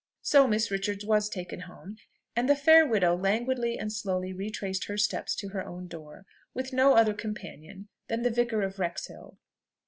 So Miss Richards was taken home, and the fair widow languidly and slowly retraced her steps to her own door, with no other companion than the Vicar of Wrexhill.